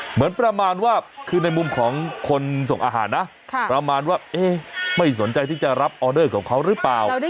เหมือนประมาณว่าคือในมุมของคนส่งอาหารนะประมาณว่าไม่สนใจที่จะรับออเดอร์ของเขาหรือเปล่า